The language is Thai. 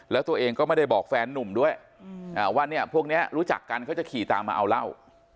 แล้วตัวเองก็ไม่ได้บอกแฟนนุ่มด้วยว่าเนี่ยพวกนี้รู้จักกันเขาจะขี่ตามมาเอาเหล้า